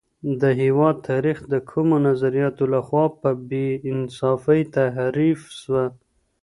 د هېواد تاریخ د کومو نظریاتو له خوا په بې انصافۍ تحریف سو؟